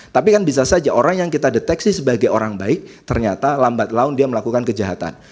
tapi kan bisa saja orang yang kita deteksi sebagai orang baik ternyata lambat laun dia melakukan kejahatan